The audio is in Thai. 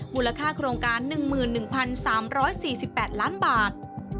มูลค่าโครงการ๑๑๓๔๘ล้านบาท